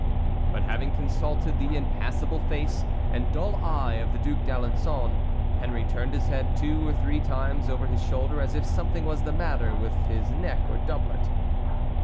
But having consulted the impassable face and dull eye of the Duc d'Alençon, Henry turned his head two or three times over his shoulder as if something was the matter with his neck or doublet.